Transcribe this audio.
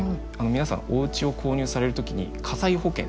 皆さんおうちを購入される時に火災保険。